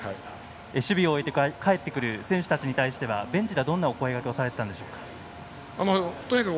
守備を終えて帰ってくる選手たちにベンチではどんなお声がけをされていたんでしょうか。